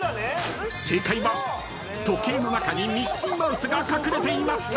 ［正解は時計の中にミッキーマウスが隠れていました］